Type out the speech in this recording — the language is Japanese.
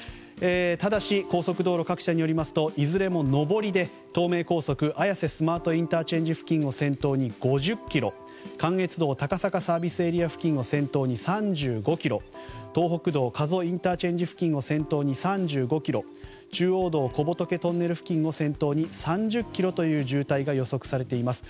ただし高速道路各社によりますといずれも上りで東名高速綾瀬スマートＩＣ付近を先頭に５０ｋｍ関越道高坂ＳＡ付近を先頭に３５ｋｍ東北道加須ＩＣ付近を先頭に３５ｋｍ中央道は小仏トンネル付近を先頭に３０ｋｍの渋滞が予測されています。